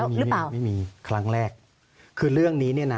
อยู่แล้วหรือเปล่าไม่มีครั้งแรกคือเรื่องนี้นะ